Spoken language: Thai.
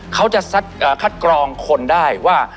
เขาจะคัดกรองคนได้ว่า